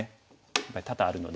やっぱり多々あるので。